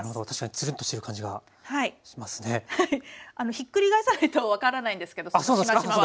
ひっくり返さないと分からないんですけどしましまは。